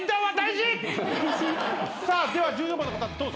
さあでは１４番の方どうぞ。